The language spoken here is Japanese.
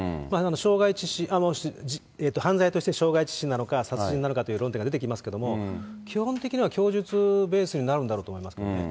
傷害致死、犯罪として傷害致死なのか、殺人なのかという論点が出てきますけど、基本的には供述ベースになるんだろうと思いますけどね。